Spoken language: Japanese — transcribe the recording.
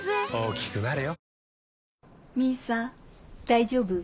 大丈夫？